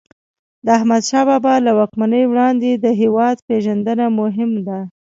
د احمدشاه بابا له واکمنۍ وړاندې د هیواد پېژندنه مهم ده.